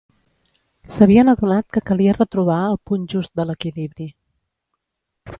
S'havien adonat que calia retrobar el punt just de l'equilibri.